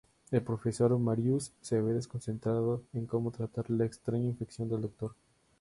El profesor Marius se ve desconcertado en cómo tratar la extraña infección del Doctor.